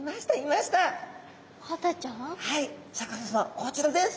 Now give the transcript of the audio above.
こちらです。